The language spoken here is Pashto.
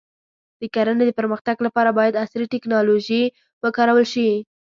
د کرنې د پرمختګ لپاره باید عصري ټکنالوژي وکارول شي.